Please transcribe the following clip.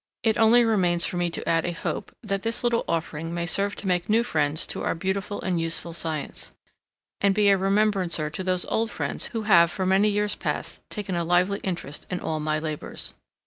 It only remains for me to add a hope, that this little offering may serve to make new friends to our beautiful and useful science, and be a remembrancer to those old friends who have, for many years past, taken a lively interest in all my labours.